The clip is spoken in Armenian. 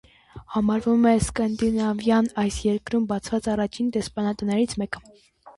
Համարվում է սկանդինավյան այս երկրում բացված առաջին դեսպանատներից մեկը։